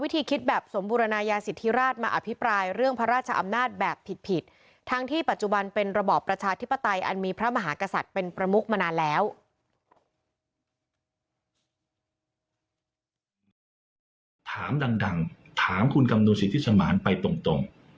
ถามดังถามคุณกำนูสิทธิสมานไปตรง